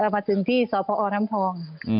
มาถึงที่สพน้ำพอง